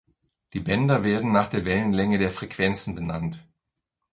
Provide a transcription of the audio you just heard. Die Bänder werden nach der Wellenlänge der Frequenzen benannt.